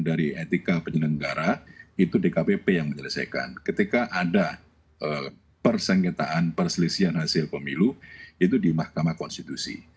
dari etika penyelenggara itu dkpp yang menyelesaikan ketika ada persengketaan perselisian hasil pemilu itu di mahkamah konstitusi